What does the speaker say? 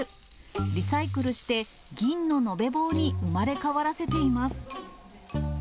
リサイクルして、銀の延べ棒に生まれ変わらせています。